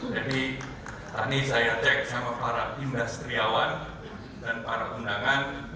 jadi tadi saya cek sama para industriawan dan para undangan